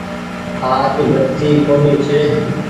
آج بتي ڪونيٚ ڇي۔